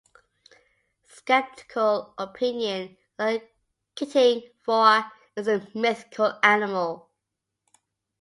Skeptical opinion is that the kting voar is a mythical animal.